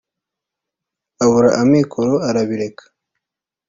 abura amikoro arabireka